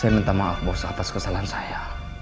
saya minta maaf bos atas kesalahan saya